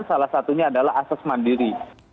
salah satunya adalah asas mandiri